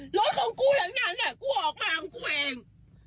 รถของกูหลังนั้นกูออกมาของกูเอง